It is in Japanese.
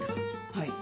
はい。